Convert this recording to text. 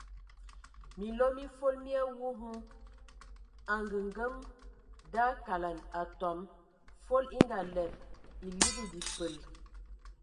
Minlo mi fol mi awu hm angəngəmə da akalɛn atɔm, fol e ngalɛdə e ligi bifəl.